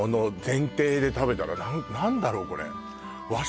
前提で食べたら何だろうこれああ